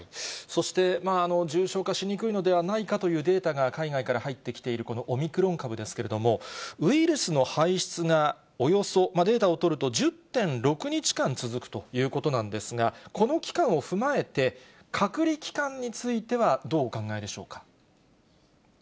そして、重症化しにくいのではないかというデータが、海外から入ってきているこのオミクロン株ですけれども、ウイルスの排出がおよそ、データを取ると、１０．６日間続くということなんですが、この期間を踏まえて、隔離期間については、どうお考えでしょうか。